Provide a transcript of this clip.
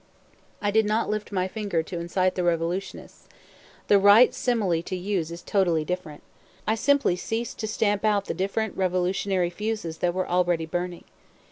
I did not lift my finger to incite the revolutionists. The right simile to use is totally different. I simply ceased to stamp out the different revolutionary fuses that were already burning.